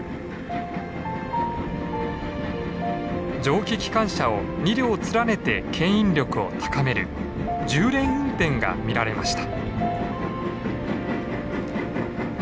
蒸気機関車を２両連ねてけん引力を高める重連運転が見られました。